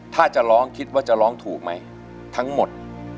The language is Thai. ถ้าจะร้องคิดว่าจะร้องถูกไหมทั้งหมด